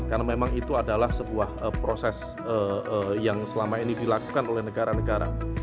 karena memang itu adalah sebuah proses yang selama ini dilakukan oleh negara negara